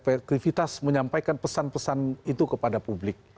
efektivitas menyampaikan pesan pesan itu kepada publik